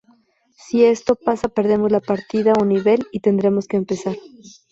Si esto pasa perdemos la partida o nivel y tendremos que empezar.